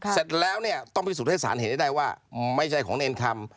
เสร็จแล้วต้องพิสูจน์ให้ศาลเห็นได้ว่าไม่ใช่ของในเอนคำ